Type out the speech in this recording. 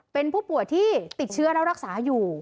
เป็นผู้ป่วยที่ติดเชื้อแล้วรักษาอยู่